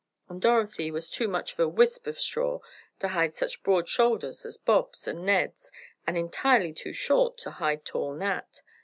And Dorothy was too much of a wisp of straw to hide such broad shoulders as Bob's and Ned's and entirely too short to hide tall Nat!